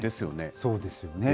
そうですよね。